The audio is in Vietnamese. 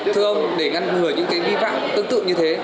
thưa ông để ngăn ngừa những vi phạm tương tự như thế